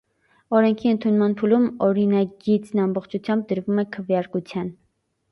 Օրենքի ընդունման փուլում օրինագիծն ամբողջությամբ դրվում է քվեարկության։